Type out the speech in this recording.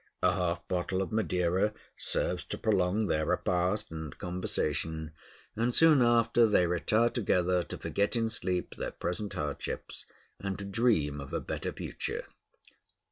A half bottle of Madeira serves to prolong their repast and conversation, and soon after they retire together, to forget in sleep their present hardships, and to dream of a better future.